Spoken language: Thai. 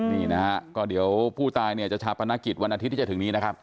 นี่นะฮะก็เดี๋ยวผู้ตายเนี่ยจะชาปนกิจวันอาทิตย์ที่จะถึงนี้นะครับ